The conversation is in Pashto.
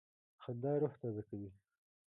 خندا روح تازه کوي.